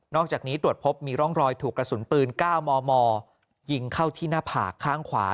อกจากนี้ตรวจพบมีร่องรอยถูกกระสุนปืน๙มมยิงเข้าที่หน้าผากข้างขวา